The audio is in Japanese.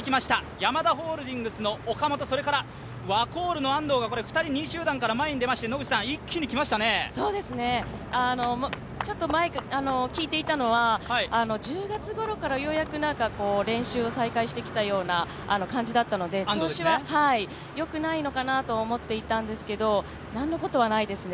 ヤマダホールディングスの岡本、ワコールの安藤が２位集団から前に出まして聞いていたのは、１０月ごろからようやく練習を再開してきたような感じだったので調子はよくないのかなと思っていたんですけど、何のことはないですね。